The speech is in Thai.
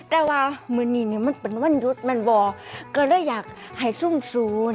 แต่ว่าเมื่อนี้มันเป็นวันหยุดมันบ่อก็เลยอยากให้ซุ่มศูนย์